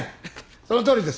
そのとおりです。